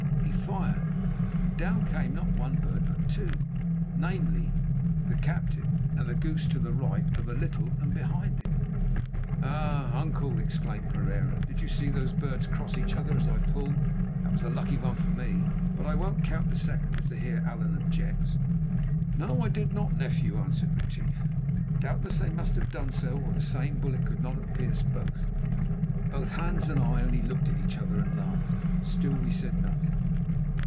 He fired, and down came not one bird, but two, namely, the captain and the goose to the right of and a little behind it. "Ah! uncle," exclaimed Pereira, "did you see those birds cross each other as I pulled? That was a lucky one for me, but I won't count the second if the Heer Allan objects." "No, I did not, nephew," answered Retief, "but doubtless they must have done so, or the same bullet could not have pierced both." Both Hans and I only looked at each other and laughed. Still we said nothing.